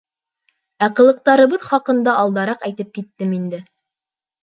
Ә ҡылыҡтарыбыҙ хаҡында алдараҡ әйтеп киттем инде.